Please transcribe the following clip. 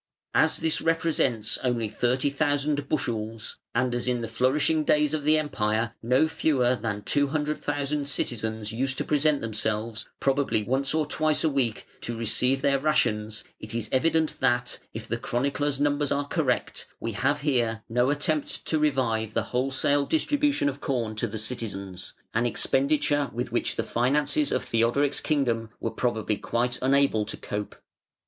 As this represents only 30,000 bushels, and as in the flourishing days of the Empire no fewer than 200,000 citizens used to present themselves, probably once or twice a week, to receive their rations, it is evident that (if the chronicler's numbers are correct) we have here no attempt to revive the wholesale distribution of corn to the citizens an expenditure with which the finances of Theodoric's kingdom were probably quite unable to cope.